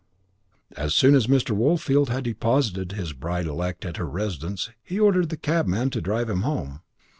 As soon as Mr. Woolfield had deposited his bride elect at her residence he ordered the cabman to drive him home.